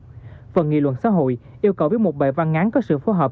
trong đó phần nghị luận xã hội yêu cầu biết một bài văn ngắn có sự phù hợp